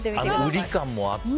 ウリ感もあって。